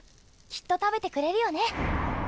きっと食べてくれるよね。